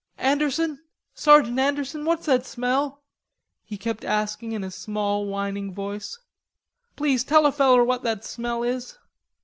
"Anderson, Sergeant Anderson, what's that smell?" he kept asking in a small whining voice. "Please tell a feller what that smell is."